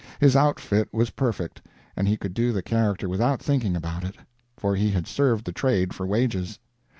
His outfit was perfect, and he could do the character without thinking about it, for he had served the trade for wages.